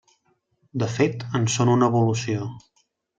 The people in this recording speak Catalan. De fet, en són una evolució.